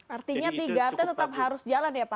artinya di jakarta tetap harus jalan ya pak